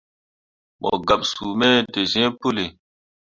Mo gaɓsuu me te zĩĩ puli.